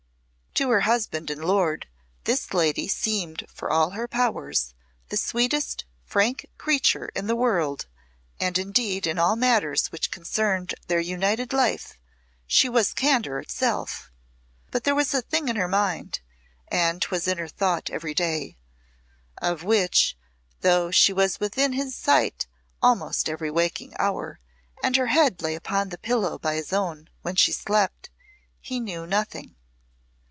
To her husband and lord, this lady seemed for all her powers, the sweetest, frank creature in the world, and indeed in all matters which concerned their united life she was candour itself. But there was a thing in her mind and 'twas in her thought every day of which, though she was within his sight almost every waking hour and her head lay upon the pillow by his own, when she slept, he knew nothing.